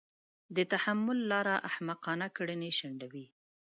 د تحمل لاره احمقانه کړنې شنډوي.